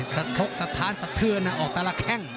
สะทกสะท้านสะเทือนออกแต่ละแข้ง